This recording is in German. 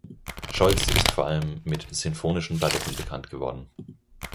Scholz ist vor allem mit sinfonischen Balletten bekannt geworden.